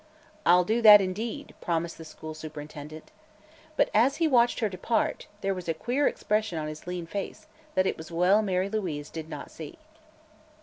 "I'll do that, indeed," promised the school superintendent. But as he watched her depart, there was a queer expression on his lean face that it was well Mary Louise did not see.